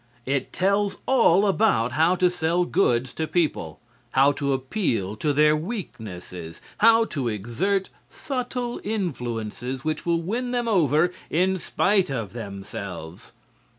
It tells all about how to sell goods to people, how to appeal to their weaknesses, how to exert subtle influences which will win them over in spite of themselves.